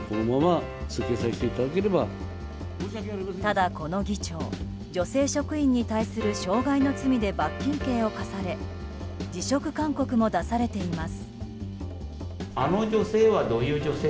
ただ、この議長女性職員に対する傷害の罪で罰金刑を科され辞職勧告も出されています。